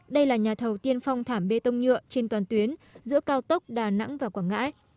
đây là nhà thầu tiên phong thảm bê tông nhựa trên toàn tuyến giữa cao tốc đà nẵng và quảng ngãi